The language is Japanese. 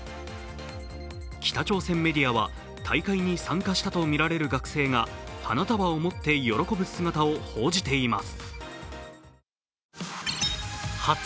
北朝鮮メディアは大会に参加したとみられる学生が花束を持って喜ぶ姿を報じています。